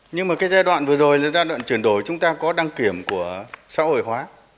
nhưng mà cái giai đoạn vừa rồi là giai đoạn chuyển đổi chúng ta có đăng kiểm của xã hội hóa